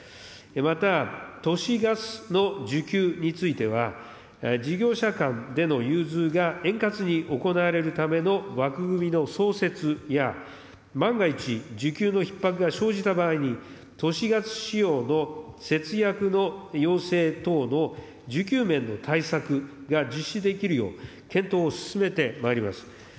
また、都市ガスの需給については、事業者間での融通が円滑に行われるための枠組みの創設や、万が一、需給のひっ迫が生じた場合に、都市ガス使用の節約の要請等の需給面の対策が実施できるよう、検討を進めてまいります。